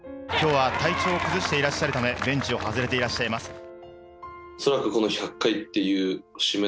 今日は体調を崩していらっしゃるためベンチを外してらっしゃいます。